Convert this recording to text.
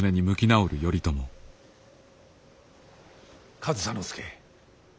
上総介。